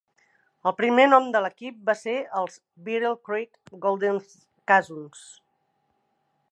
El primer nom de l'equip va ser els Battle Creek Golden Kazoos.